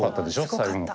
最後の方。